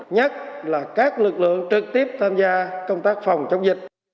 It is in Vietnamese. nhất là các lực lượng trực tiếp tham gia công tác phòng chống dịch